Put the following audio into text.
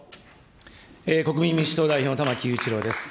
国民民主党代表の玉木雄一郎です。